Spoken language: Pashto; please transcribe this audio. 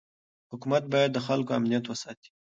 حکومت باید د خلکو امنیت وساتي.